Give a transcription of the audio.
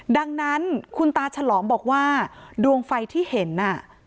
ดังนั้นคุณตาฉลองบอกว่าดวงไฟที่เห็นน่ะ